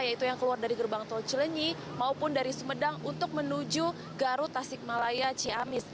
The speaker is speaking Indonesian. yaitu yang keluar dari gerbang tol cilenyi maupun dari sumedang untuk menuju garut tasikmalaya ciamis